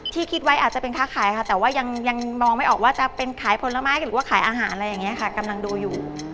คิดไว้อาจจะเป็นค้าขายค่ะแต่ว่ายังมองไม่ออกว่าจะเป็นขายผลไม้หรือว่าขายอาหารอะไรอย่างนี้ค่ะกำลังดูอยู่